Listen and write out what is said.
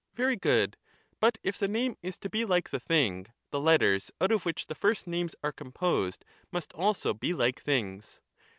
Very good : but if the name is to be like the thing, the letters out of which the first names are composed must also be like things.